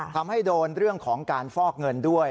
ทำให้โดนเรื่องของการฟอกเงินด้วย